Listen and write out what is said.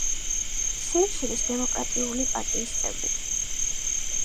სეიშელის დემოკრატიული პარტიის წევრი.